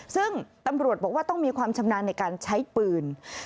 ซึ่งตำรวจบอกว่าต้องมีความชำนาญในการใช้ปืน